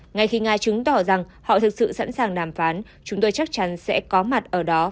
ngay khi nga chứng tỏ rằng họ thực sự sẵn sàng đàm phán chúng tôi chắc chắn sẽ có mặt ở đó